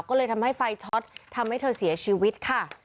ก็เลยทำให้ไฟช็อตทำให้เธอเสียชีวิตค่ะ